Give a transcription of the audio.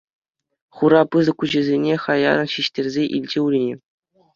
Хура пысӑк куҫӗсене хаяррӑн ҫиҫтерсе илчӗ Урине.